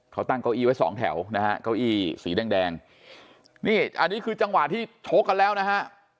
เขาตั้งเก้าอี้ไว้สองแถวนะฮะเก้าอี้สีแดงนี่อันนี้คือจังหวะที่ชกกันแล้วนะฮะ